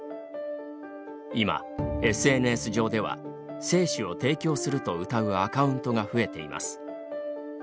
今、ＳＮＳ上では「精子を提供する」とうたうアカウントが増えています。